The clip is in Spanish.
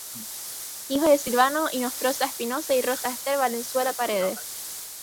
Hijo de Silvano Inostroza Espinoza y Rosa Ester Valenzuela Paredes.